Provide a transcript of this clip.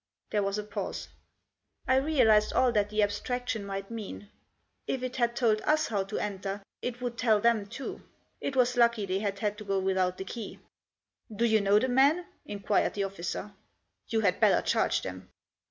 There was a pause. I realised all that the abstrac tion might mean. If it had told us how to enter, it would tell them too. It was lucky they had had to go without the key. "Do you know the men?" inquired the officer. " You had better charge them."